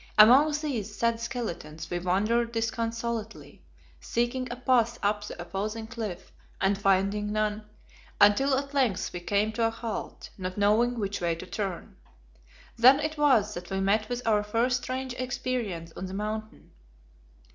Among these sad skeletons we wandered disconsolately, seeking a path up the opposing cliff, and finding none, until at length we came to a halt, not knowing which way to turn. Then it was that we met with our first strange experience on the Mountain.